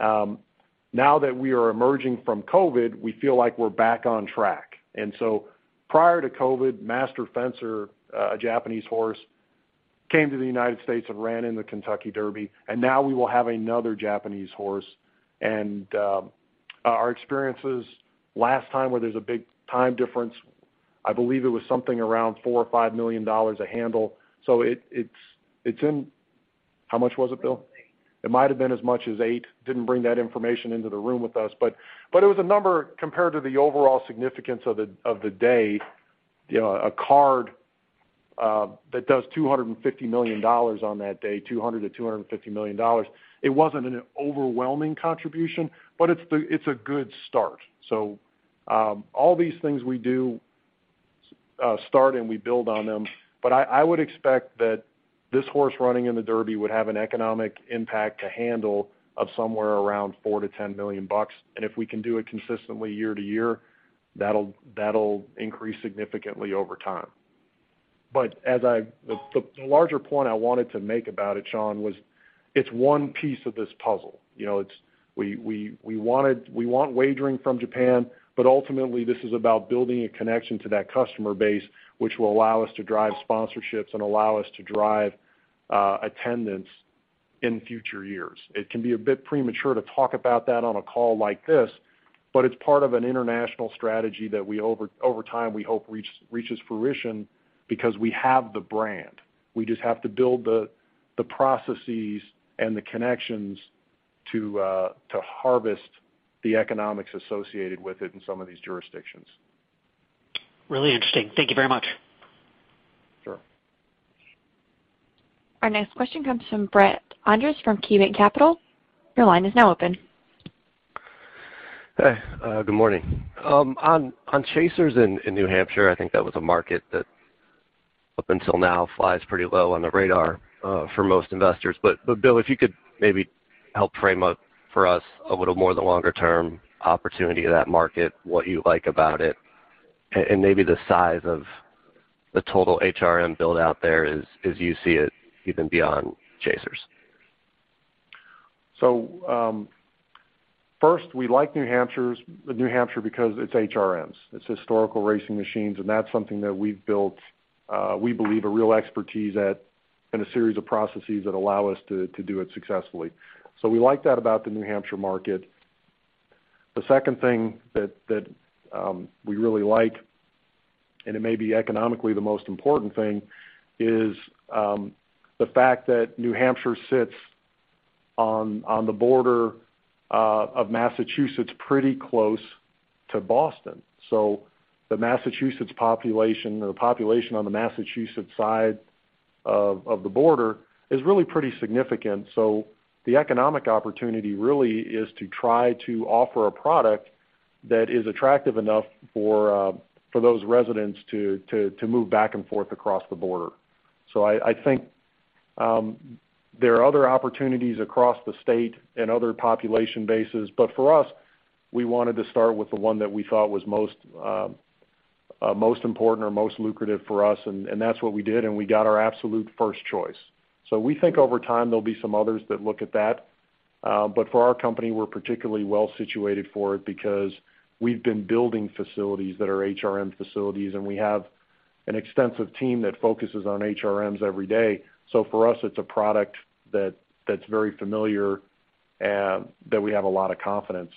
C: Now that we are emerging from COVID, we feel like we're back on track. Prior to COVID, Master Fencer, a Japanese horse, came to the United States and ran in the Kentucky Derby, and now we will have another Japanese horse. Our experiences last time where there's a big time difference, I believe it was something around $4-$5 million a handle. How much was it, Bill? It might have been as much as $8 million. Didn't bring that information into the room with us, but it was a number compared to the overall significance of the day. You know, a card that does $250 million on that day, $200-$250 million. It wasn't an overwhelming contribution, but it's a good start. All these things we do start and we build on them. I would expect that this horse running in the Derby would have an economic impact to handle of somewhere around $4 million-$10 million. If we can do it consistently year to year, that'll increase significantly over time. The larger point I wanted to make about it, Shaun, was it's one piece of this puzzle. You know, it's we want wagering from Japan, but ultimately, this is about building a connection to that customer base, which will allow us to drive sponsorships and allow us to drive attendance in future years. It can be a bit premature to talk about that on a call like this, but it's part of an international strategy that we over time, we hope reaches fruition because we have the brand. We just have to build the processes and the connections to harvest the economics associated with it in some of these jurisdictions.
H: Really interesting. Thank you very much.
C: Sure.
A: Our next question comes from Brett Andress from KeyBanc Capital. Your line is now open.
I: Hey, good morning. On Chasers in New Hampshire, I think that was a market that up until now flies pretty low on the radar for most investors. Bill, if you could maybe help frame up for us a little more of the longer term opportunity of that market, what you like about it, and maybe the size of the total HRM build out there as you see it even beyond Chasers.
C: First, we like New Hampshire because it's HRMs. It's historical racing machines, and that's something that we've built, we believe a real expertise at, and a series of processes that allow us to do it successfully. We like that about the New Hampshire market. The second thing that we really like, and it may be economically the most important thing, is the fact that New Hampshire sits on the border of Massachusetts, pretty close to Boston. The Massachusetts population, or the population on the Massachusetts side of the border is really pretty significant. The economic opportunity really is to try to offer a product that is attractive enough for those residents to move back and forth across the border. I think there are other opportunities across the state and other population bases, but for us, we wanted to start with the one that we thought was most important or most lucrative for us, and that's what we did, and we got our absolute first choice. We think over time there'll be some others that look at that. But for our company, we're particularly well-situated for it because we've been building facilities that are HRM facilities, and we have an extensive team that focuses on HRMs every day. For us, it's a product that's very familiar that we have a lot of confidence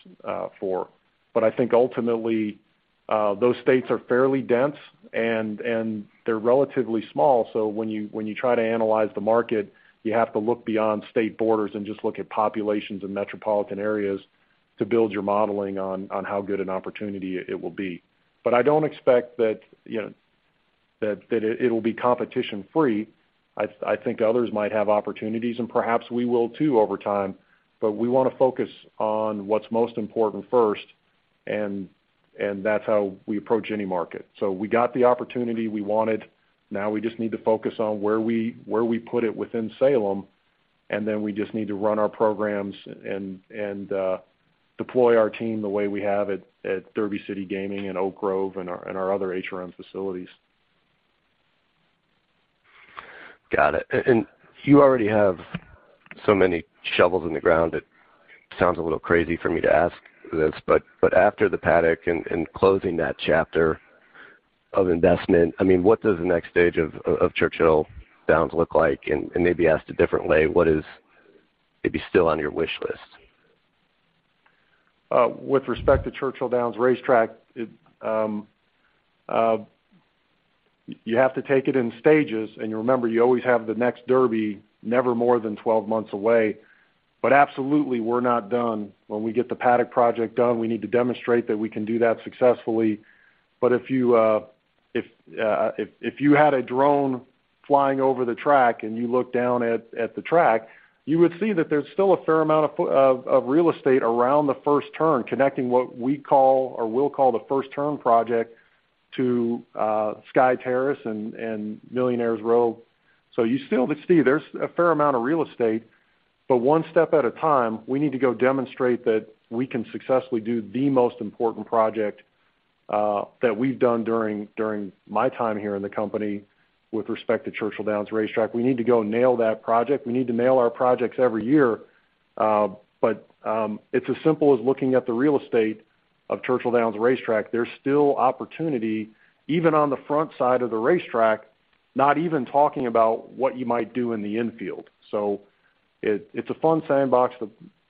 C: for. I think ultimately those states are fairly dense and they're relatively small. When you try to analyze the market, you have to look beyond state borders and just look at populations in metropolitan areas to build your modeling on how good an opportunity it will be. I don't expect that, you know, that it will be competition-free. I think others might have opportunities, and perhaps we will too, over time. We wanna focus on what's most important first, and that's how we approach any market. We got the opportunity we wanted. Now we just need to focus on where we put it within Salem, and then we just need to run our programs and deploy our team the way we have at Derby City Gaming and Oak Grove and our other HRM facilities.
I: Got it. You already have so many shells on the ground it sounds a little crazy for me to ask this, but after the paddock and closing that chapter of investment, I mean, what does the next stage of Churchill Downs look like? Maybe asked differently, what is maybe still on your wish list?
C: With respect to Churchill Downs Racetrack, you have to take it in stages, and you remember, you always have the next Derby never more than 12 months away. Absolutely, we're not done. When we get the paddock project done, we need to demonstrate that we can do that successfully. If you had a drone flying over the track and you look down at the track, you would see that there's still a fair amount of real estate around the first turn connecting what we call or will call the first turn project to Skye Terrace and Millionaire's Row. Steve, there's a fair amount of real estate, but one step at a time, we need to go demonstrate that we can successfully do the most important project that we've done during my time here in the company with respect to Churchill Downs Racetrack. We need to go nail that project. We need to nail our projects every year. It's as simple as looking at the real estate of Churchill Downs Racetrack. There's still opportunity even on the front side of the racetrack, not even talking about what you might do in the infield. It's a fun sandbox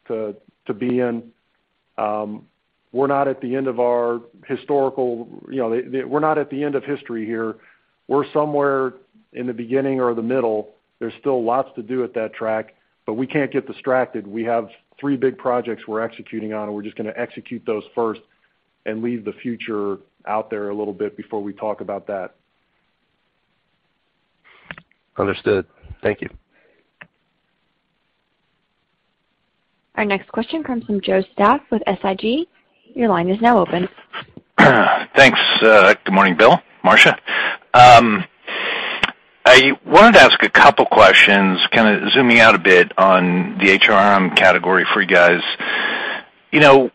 C: to be in. We're not at the end of history here. We're somewhere in the beginning or the middle. There's still lots to do at that track, but we can't get distracted. We have three big projects we're executing on, and we're just gonna execute those first and leave the future out there a little bit before we talk about that.
I: Understood. Thank you.
A: Our next question comes from Joe Stauff with SIG. Your line is now open.
J: Thanks. Good morning, Bill, Marcia. I wanted to ask a couple questions kinda zooming out a bit on the HRM category for you guys. You know,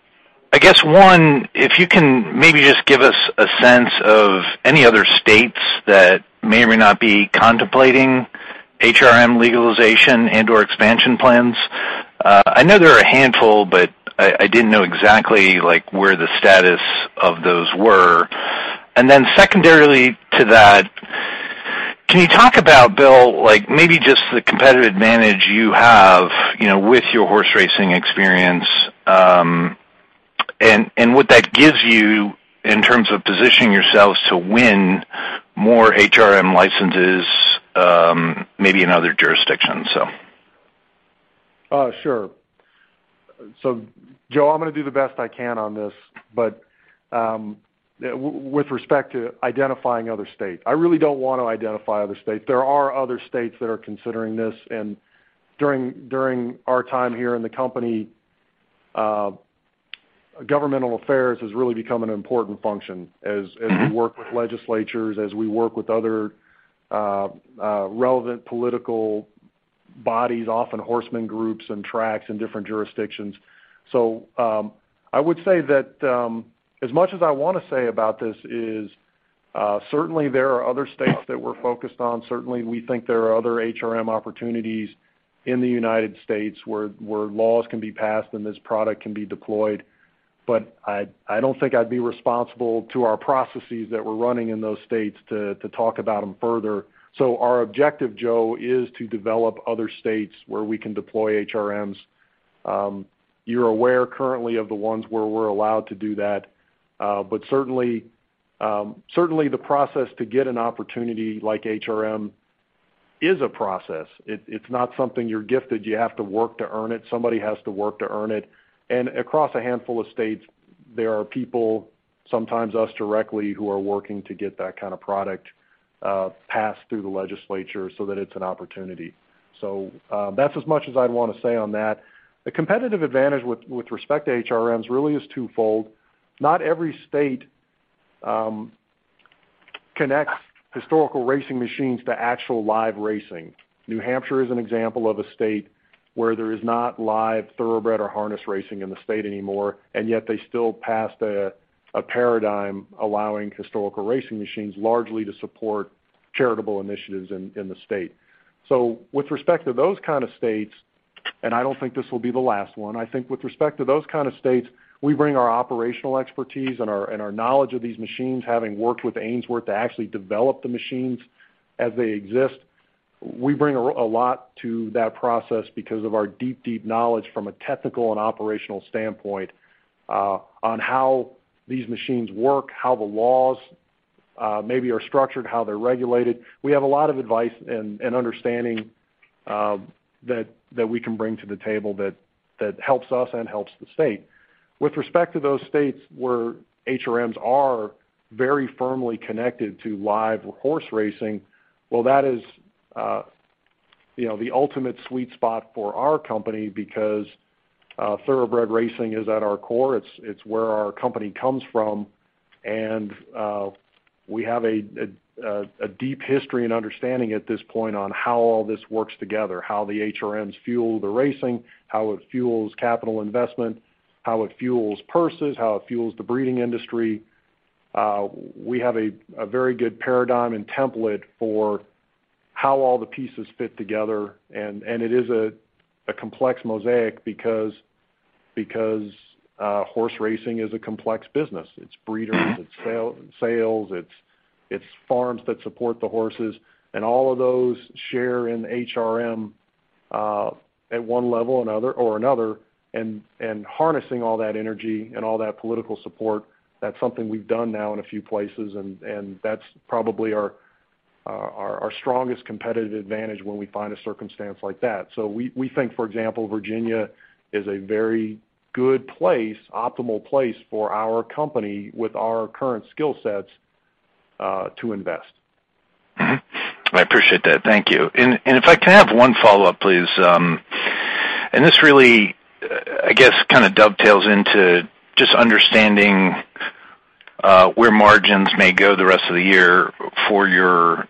J: I guess, one, if you can maybe just give us a sense of any other states that may or may not be contemplating HRM legalization and/or expansion plans. I know there are a handful, but I didn't know exactly, like, where the status of those were. Then secondarily to that, can you talk about, Bill, like, maybe just the competitive advantage you have, you know, with your horse racing experience, and what that gives you in terms of positioning yourselves to win more HRM licenses, maybe in other jurisdictions, so.
C: Sure. Joe, I'm gonna do the best I can on this, but with respect to identifying other states, I really don't wanna identify other states. There are other states that are considering this, and during our time here in the company, governmental affairs has really become an important function as we work with legislatures, as we work with other relevant political bodies, often horsemen groups and tracks in different jurisdictions. I would say that as much as I wanna say about this is certainly there are other states that we're focused on. Certainly, we think there are other HRM opportunities in the United States where laws can be passed and this product can be deployed. I don't think I'd be responsible to our processes that we're running in those states to talk about them further. Our objective, Joe, is to develop other states where we can deploy HRMs. You're aware currently of the ones where we're allowed to do that. But certainly the process to get an opportunity like HRM is a process. It's not something you're gifted. You have to work to earn it. Somebody has to work to earn it. Across a handful of states, there are people, sometimes us directly, who are working to get that kind of product passed through the legislature so that it's an opportunity. That's as much as I'd wanna say on that. The competitive advantage with respect to HRMs really is twofold. Not every state connects historical racing machines to actual live racing. New Hampshire is an example of a state where there is not live thoroughbred or harness racing in the state anymore, and yet they still passed a paradigm allowing historical racing machines largely to support charitable initiatives in the state. With respect to those kind of states, and I don't think this will be the last one, I think with respect to those kind of states, we bring our operational expertise and our knowledge of these machines, having worked with Ainsworth to actually develop the machines as they exist. We bring a lot to that process because of our deep knowledge from a technical and operational standpoint on how these machines work, how the laws maybe are structured, how they're regulated. We have a lot of advice and understanding that we can bring to the table that helps us and helps the state. With respect to those states where HRMs are very firmly connected to live horse racing, that is the ultimate sweet spot for our company because thoroughbred racing is at our core. It's where our company comes from, and we have a deep history and understanding at this point on how all this works together, how the HRMs fuel the racing, how it fuels capital investment, how it fuels purses, how it fuels the breeding industry. We have a very good paradigm and template for how all the pieces fit together. It is a complex mosaic because horse racing is a complex business. It's breeders, it's sales, it's farms that support the horses. All of those share in HRM at one level or another. Harnessing all that energy and all that political support, that's something we've done now in a few places, and that's probably our strongest competitive advantage when we find a circumstance like that. We think, for example, Virginia is a very good place, optimal place for our company with our current skill sets, to invest.
J: I appreciate that. Thank you. If I can have one follow-up, please. This really, I guess, kinda dovetails into just understanding where margins may go the rest of the year for your,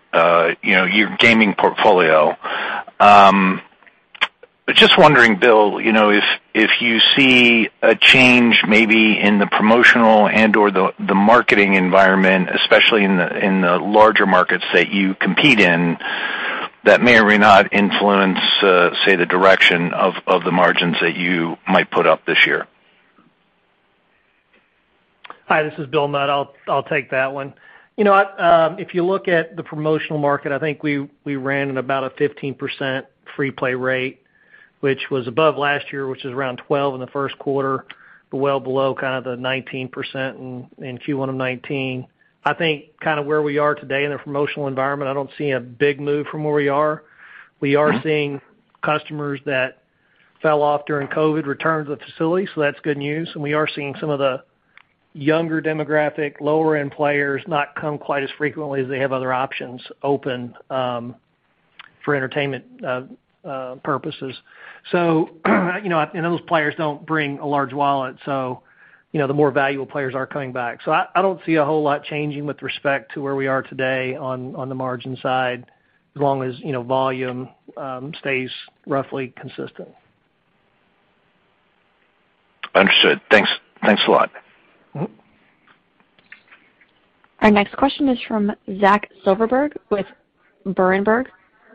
J: you know, your gaming portfolio. Just wondering, Bill, you know, if you see a change maybe in the promotional and/or the marketing environment, especially in the larger markets that you compete in, that may or may not influence say the direction of the margins that you might put up this year.
G: Hi, this is Bill Mudd. I'll take that one. You know what? If you look at the promotional market, I think we ran at about a 15% free play rate, which was above last year, which is around 12% in the first quarter, but well below kind of the 19% in Q1 of 2019. I think kinda where we are today in the promotional environment, I don't see a big move from where we are. We are seeing customers that fell off during COVID return to the facility, so that's good news. We are seeing some of the younger demographic, lower-end players not come quite as frequently as they have other options open for entertainment purposes. You know, those players don't bring a large wallet, so you know, the more valuable players are coming back. I don't see a whole lot changing with respect to where we are today on the margin side as long as, you know, volume stays roughly consistent.
J: Understood. Thanks. Thanks a lot.
G: Mm-hmm.
A: Our next question is from Zach Silverberg with Berenberg.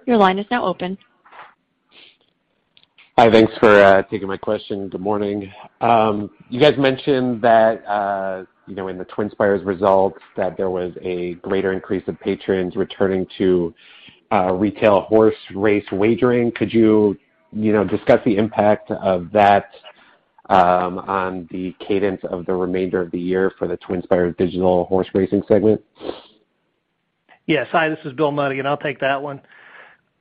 A: Your line is now open.
K: Hi. Thanks for taking my question. Good morning. You guys mentioned that, you know, in the TwinSpires results that there was a greater increase of patrons returning to retail horse race wagering. Could you know, discuss the impact of that, on the cadence of the remainder of the year for the TwinSpires digital horse racing segment?
G: Yes. Hi, this is Bill Mudd again. I'll take that one.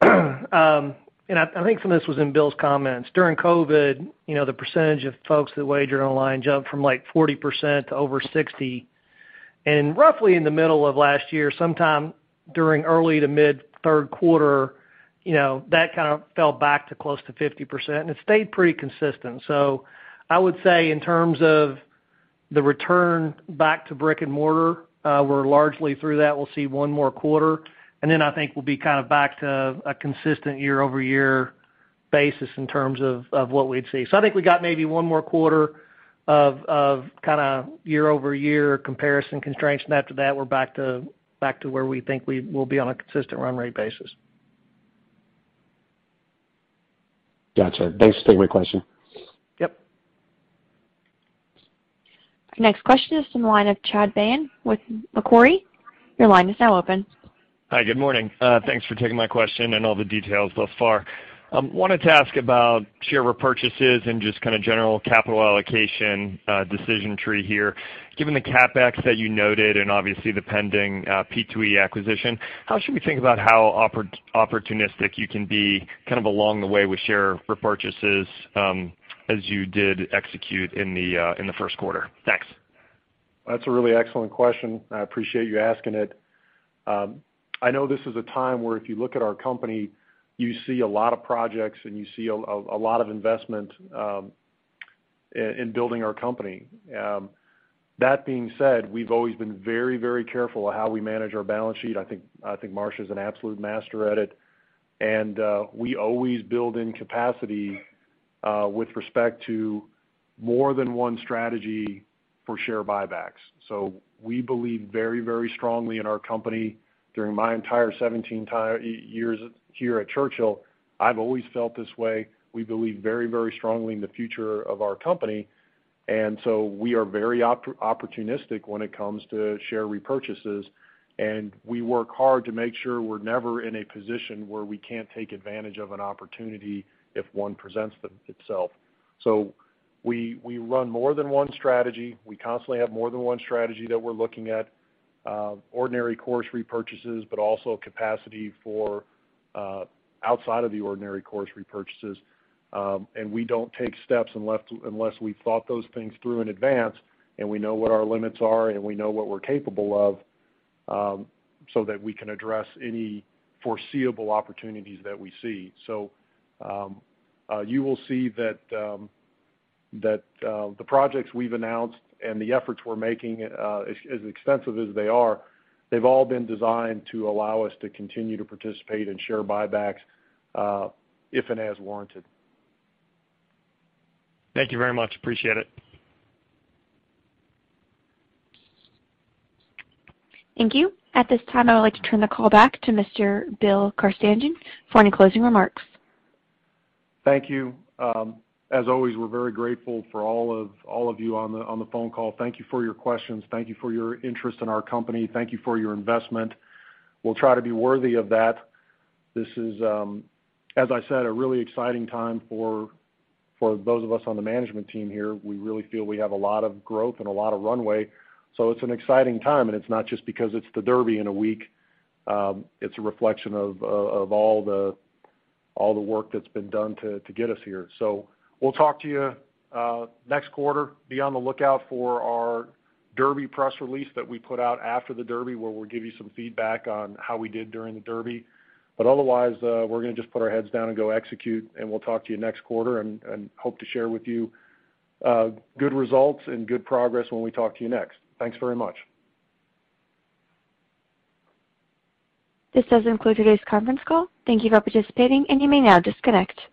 G: I think some of this was in Bill's comments. During COVID, you know, the percentage of folks that wager online jumped from, like, 40% to over 60%. Roughly in the middle of last year, sometime during early to mid third quarter, you know, that kind of fell back to close to 50%, and it stayed pretty consistent. I would say in terms of the return back to brick-and-mortar, we're largely through that. We'll see one more quarter, and then I think we'll be kind of back to a consistent year-over-year basis in terms of what we'd see. I think we got maybe one more quarter of kinda year-over-year comparison constraints. After that, we're back to where we think we will be on a consistent run rate basis.
K: Gotcha. Thanks. That's a great question.
G: Yep.
A: Our next question is from the line of Chad Beynon with Macquarie. Your line is now open.
L: Hi, good morning. Thanks for taking my question and all the details thus far. Wanted to ask about share repurchases and just kinda general capital allocation, decision tree here. Given the CapEx that you noted and obviously the pending P2E acquisition, how should we think about how opportunistic you can be kind of along the way with share repurchases, as you did execute in the first quarter? Thanks.
C: That's a really excellent question. I appreciate you asking it. I know this is a time where if you look at our company, you see a lot of projects and you see a lot of investment in building our company. That being said, we've always been very, very careful of how we manage our balance sheet. I think Marcia is an absolute master at it. We always build in capacity with respect to more than one strategy for share buybacks. We believe very, very strongly in our company. During my entire 17 years here at Churchill, I've always felt this way. We believe very, very strongly in the future of our company, and we are very opportunistic when it comes to share repurchases. We work hard to make sure we're never in a position where we can't take advantage of an opportunity if one presents itself. We run more than one strategy. We constantly have more than one strategy that we're looking at. Ordinary course repurchases, but also a capacity for outside of the ordinary course repurchases. We don't take steps unless we've thought those things through in advance and we know what our limits are and we know what we're capable of, so that we can address any foreseeable opportunities that we see. You will see that the projects we've announced and the efforts we're making, as extensive as they are, they've all been designed to allow us to continue to participate in share buybacks, if and as warranted.
L: Thank you very much. Appreciate it.
A: Thank you. At this time, I would like to turn the call back to Mr. Bill Carstanjen for any closing remarks.
C: Thank you. As always, we're very grateful for all of you on the phone call. Thank you for your questions. Thank you for your interest in our company. Thank you for your investment. We'll try to be worthy of that. This is, as I said, a really exciting time for those of us on the management team here. We really feel we have a lot of growth and a lot of runway. It's an exciting time, and it's not just because it's the Derby in a week. It's a reflection of all the work that's been done to get us here. We'll talk to you next quarter. Be on the lookout for our Derby press release that we put out after the Derby, where we'll give you some feedback on how we did during the Derby. Otherwise, we're gonna just put our heads down and go execute, and we'll talk to you next quarter and hope to share with you good results and good progress when we talk to you next. Thanks very much.
A: This does conclude today's conference call. Thank you for participating, and you may now disconnect.